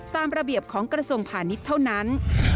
ตามระเบียบของกระทรวงพาณิชย์เท่านั้น